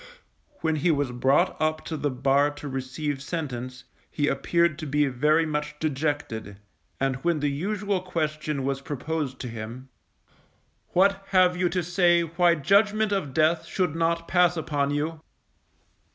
When he was brought up to the bar to receive sentence, he appeared to be very much dejected, and when the usual question was proposed to him: _What have you to say why judgment of death should not pass upon you?